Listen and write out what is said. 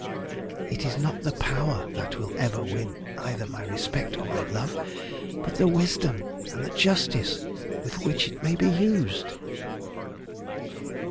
It is not the power that will ever win either my respect or my love, but the wisdom and the justice with which it may be used."